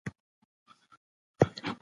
غرور نه ماتېږي.